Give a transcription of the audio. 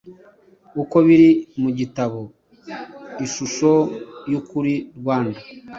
uko biri mu gitabo “ishusho y,ukuri Rwanda